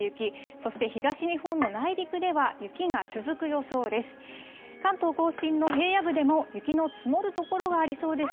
そして東日本の内陸では雪が続く予想です。